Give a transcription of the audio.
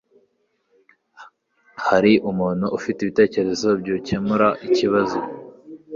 hari umuntu ufite ibitekerezo byukemura ikibazo